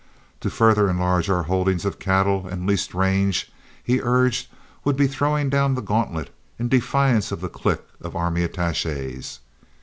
To further enlarge our holdings of cattle and leased range, he urged, would be throwing down the gauntlet in defiance of the clique of army attaches.